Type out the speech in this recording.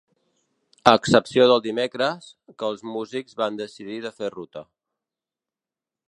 A excepció del dimecres, que els músics van decidir de fer ruta.